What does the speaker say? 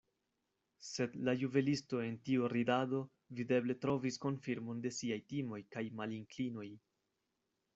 Sed la juvelisto en tiu ridado videble trovis konfirmon de siaj timoj kaj malinklinoj.